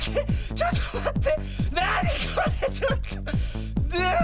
ちょっとまって。